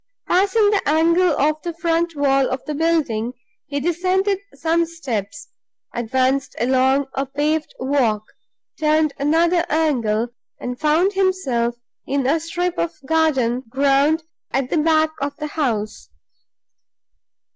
Passing the angle of the front wall of the building, he descended some steps, advanced along a paved walk, turned another angle, and found himself in a strip of garden ground at the back of the house.